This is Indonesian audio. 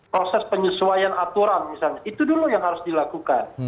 proses penyesuaian aturan misalnya itu dulu yang harus dilakukan